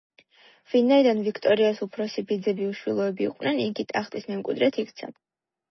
ვინაიდან ვიქტორიას უფროსი ბიძები უშვილოები იყვნენ, იგი ტახტის მემკვიდრედ იქცა.